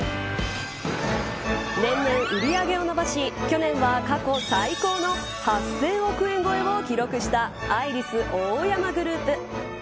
年々売り上げを伸ばし去年は、過去最高の８１００億円超えを記録したアイリスオーヤマグループ。